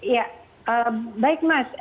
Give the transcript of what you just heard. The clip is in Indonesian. ya baik mas